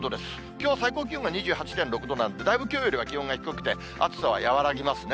きょう最高気温が２８．６度なんで、だいぶきょうよりは気温が低くて、暑さは和らぎますね。